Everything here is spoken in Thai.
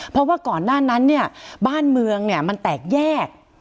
เพราะว่าก่อนหน้านั้นบ้านเมืองแตกแยก